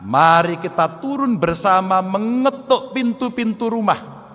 mari kita turun bersama mengetuk pintu pintu rumah